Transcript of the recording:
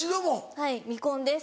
はい未婚です。